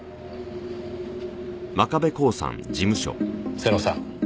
瀬野さん